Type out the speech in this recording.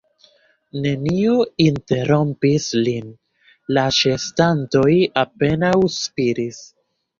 Neniu interrompis lin; la ĉeestantoj apenaŭ spiris.